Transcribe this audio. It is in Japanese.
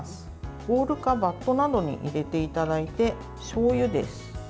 ボウルかバットなどに入れていただいて、しょうゆです。